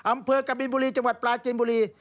อำเภอกบินบุรีจังหวัดปลาจินบุรี